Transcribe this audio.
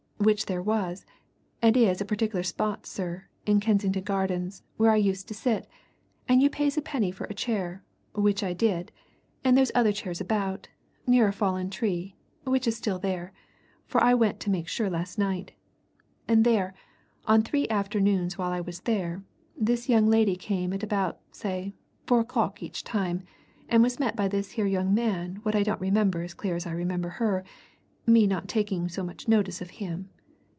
Which there was, and is a particular spot, sir, in Kensington Gardens where I used to sit, and you pays a penny for a chair, which I did, and there's other chairs about, near a fallen tree, which is still there, for I went to make sure last night, and there, on three afternoons while I was there, this young lady came at about, say, four o'clock each time, and was met by this here young man what I don't remember as clear as I remember her, me not taking so much notice of him.